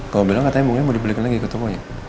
kau bilang katanya bunganya mau dibelikan lagi ke tokonya